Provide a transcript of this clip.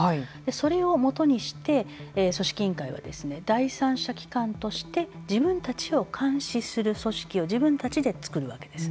それを基にして組織委員会は第三者機関として自分たちを監視する組織を自分たちで作るわけです。